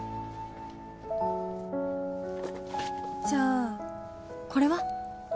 じゃあこれは？